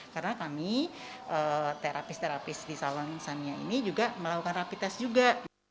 karena kami terapis terapis di salon samia ini juga melakukan rapid test juga